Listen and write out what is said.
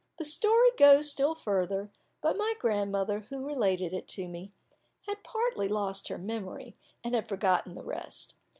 The story goes still further, but my grandmother, who related it to me, had partly lost her memory, and had forgotten the rest.